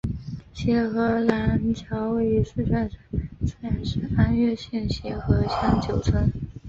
协和廊桥位于四川省资阳市安岳县协和乡九村。